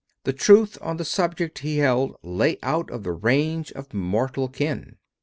The truth on the subject, he held, lay out of the range of mortal ken.